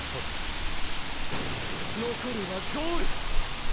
残るはゴールだ！